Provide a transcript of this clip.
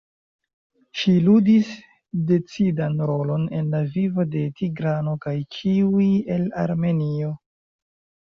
Ŝi ludis decidan rolon en la vivo de Tigrano kaj ĉiuj el Armenio.